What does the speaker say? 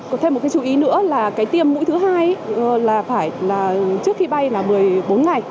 có thêm một cái chú ý nữa là cái tiêm mũi thứ hai là phải trước khi bay là một mươi bốn ngày